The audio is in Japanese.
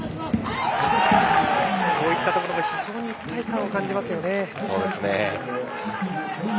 こういったところが非常に一体感を感じますね。